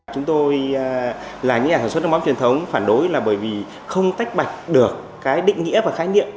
chúng tôi là những nhà sản xuất nước mắm truyền thống phản đối là bởi vì không tách bạch được cái định nghĩa và khái niệm